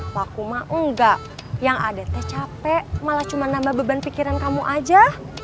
maku mah enggak yang ada teh capek malah cuma nambah beban pikiran kamu aja